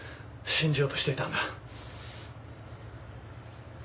信じようとしていたんだ。